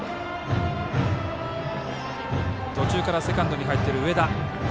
途中からセカンドに入っている植田。